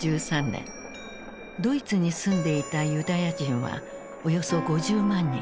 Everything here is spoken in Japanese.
ドイツに住んでいたユダヤ人はおよそ５０万人。